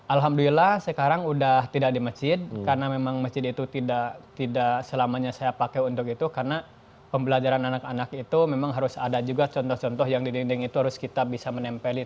alhamdulillah sekarang sudah tidak di masjid karena memang masjid itu tidak selamanya saya pakai untuk itu karena pembelajaran anak anak itu memang harus ada juga contoh contoh yang di dinding itu harus kita bisa menempelin